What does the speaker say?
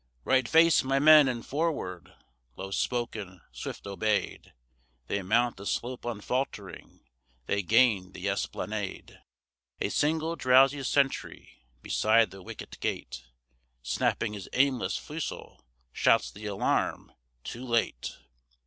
"Right face, my men, and forward!" Low spoken, swift obeyed! They mount the slope unfaltering they gain the esplanade! A single drowsy sentry beside the wicket gate, Snapping his aimless fusil, shouts the alarm too late!